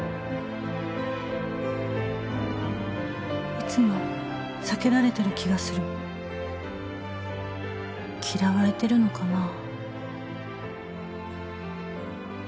「いつも避けられてる気がする」「嫌われてるのかなぁ」